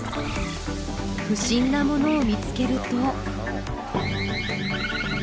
不審なものを見つけると。